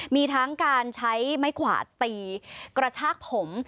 มีทั้งการใช้ไม้กวาดตีกระชากผม